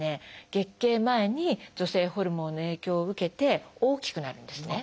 月経前に女性ホルモンの影響を受けて大きくなるんですね。